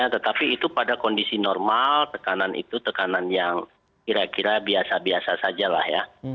tetapi itu pada kondisi normal tekanan itu tekanan yang kira kira biasa biasa saja lah ya